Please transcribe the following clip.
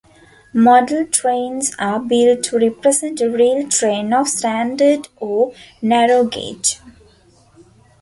Model trains are built to represent a real train of standard or narrow gauge.